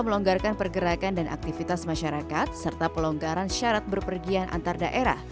melonggarkan pergerakan dan aktivitas masyarakat serta pelonggaran syarat berpergian antar daerah